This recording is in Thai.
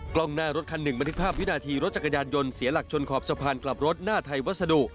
กล้องหน้ารถคันหนึ่งบันทึกภาพวินาทีรถจักรยานยนต์เสียหลักชนขอบสะพานกลับรถหน้าไทยวัสดุ